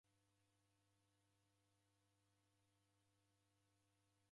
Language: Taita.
M'baa wa timu wangirie iguo